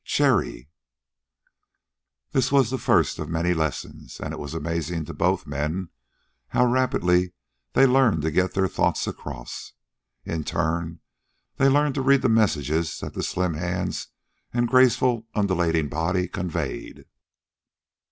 "Cherrie." This was the first of many lessons, and it was amazing to both men how rapidly they learned to get their thoughts across. In turn, they learned to read the messages that the slim hands and graceful, undulating body conveyed.